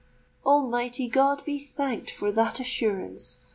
"Almighty God be thanked for that assurance!"